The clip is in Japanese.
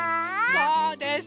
そうです！